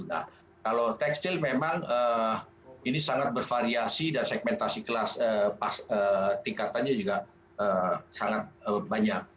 satunya itu kalau tekstil memang ini sangat bervariasi dan segmentasi tingkatannya juga sangat banyak